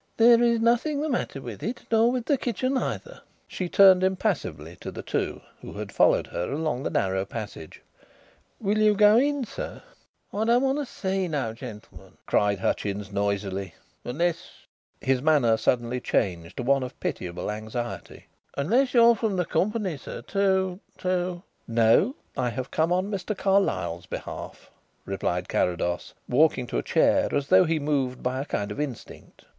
"There is nothing the matter with it, nor with the kitchen either." She turned impassively to the two who had followed her along the narrow passage. "Will you go in, sir?" "I don't want to see no gentleman," cried Hutchins noisily. "Unless" his manner suddenly changed to one of pitiable anxiety "unless you're from the Company sir, to to " "No; I have come on Mr. Carlyle's behalf," replied Carrados, walking to a chair as though he moved by a kind of instinct.